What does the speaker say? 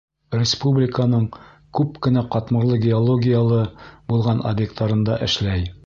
Республиканың күп кенә ҡатмарлы геологиялы булған объекттарында эшләй.